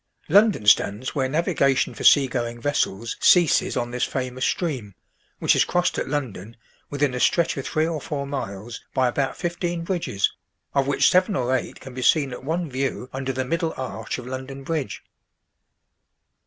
London stands where navigation for sea going vessels ceases on this famous stream, which is crossed at London, within a stretch of three or four miles, by about fifteen bridges, of which seven or eight can be seen at one view under the middle arch of London Bridge.